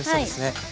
はい。